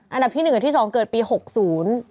อันดับที่๑กับที่๒เกิดปี๖ศูนิ์